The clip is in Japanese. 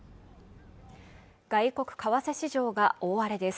外国為替市場が大荒れです